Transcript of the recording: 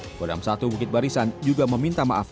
kodam satu bukit barisan juga meminta maaf